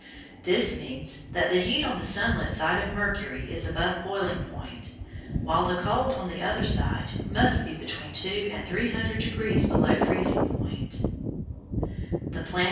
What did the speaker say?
This means that the heat on the sunlit side of Mercury is above boiling point, while the cold on the other side must be between two and three hundred degrees below freezing point.